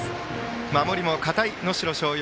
守りも堅い能代松陽。